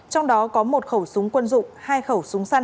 trong đó có một khẩu súng quân dụng hai khẩu súng săn